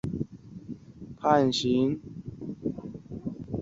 民进党亦抨击张锦昆阵营多次因贿选罪遭判刑。